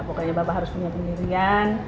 pokoknya bapak harus punya sendirian